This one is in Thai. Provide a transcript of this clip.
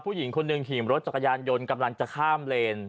ผู้หญิงคนหนึ่งขี่รถจักรยานยนต์กำลังจะข้ามเลน